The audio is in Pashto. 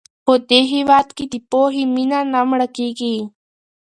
په دې هېواد کې د پوهې مینه نه مړه کېږي.